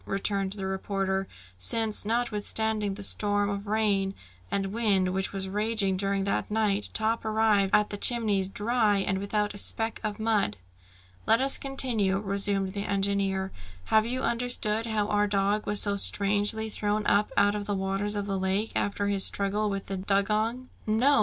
returned the reporter; "since notwithstanding the storm of rain and wind which was raging during that night, Top arrived at the Chimneys, dry and without a speck of mud!" "Let us continue," resumed the engineer. "Have you understood how our dog was so strangely thrown up out of the waters of the lake, after his struggle with the dugong?" "No!